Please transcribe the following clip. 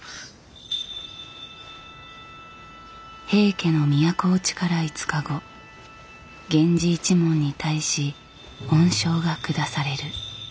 平家の都落ちから５日後源氏一門に対し恩賞が下される。